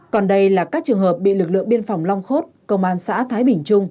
còn đây là các trường hợp bị lực lượng biên phòng long khốt công an xã thái bình trung